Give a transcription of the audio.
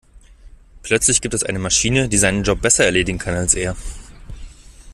Plötzlich gibt es eine Maschine, die seinen Job besser erledigen kann als er.